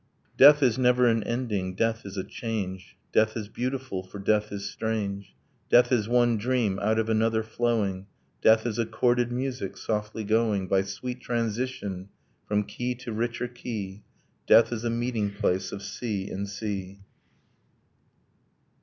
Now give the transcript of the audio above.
'Death is never an ending, death is a change; Death is beautiful, for death is strange; Death is one dream out of another flowing; Death is a chorded music, softly going By sweet transition from key to richer key. Death is a meeting place of sea and sea.'